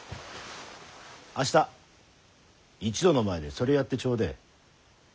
明日一同の前でそれやってちょでえ。